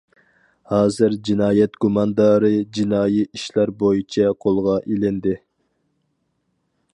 ھازىر جىنايەت گۇماندارى جىنايى ئىشلار بويىچە قولغا ئېلىندى.